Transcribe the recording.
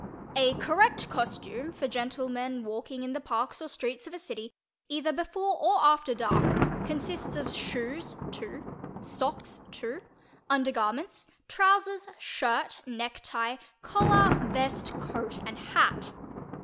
_" A correct costume for gentlemen walking in the parks or streets of a city, either before or after dark, consists of shoes (2), socks (2), undergarments, trousers, shirt, necktie, collar, vest, coat and hat.